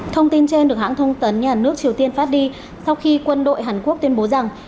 thông tin trên được hãng thông tấn nhà nước triều tiên phát đi sau khi quân đội hàn quốc tuyên bố rằng